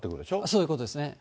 そういうことですね。